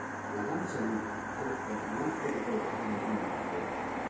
La danza Yup'ik è molto popolare nel villaggio.